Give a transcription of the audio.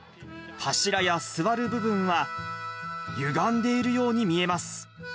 柱や座る部分は、ゆがんでいるように見えます。